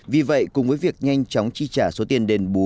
vì vậy cùng với việc nhanh chóng chi trả số tiền đền bù